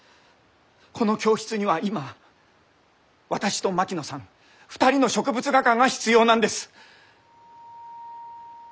この教室には今私と槙野さん２人の植物画家が必要なんです。